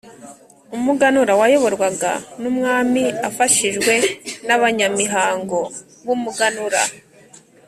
Umuganura wayoborwaga n’umwami afashijwe n’abanyamihango b’umuganura.